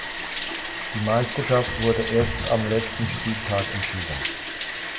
Die Meisterschaft wurde erst am letzten Spieltag entschieden.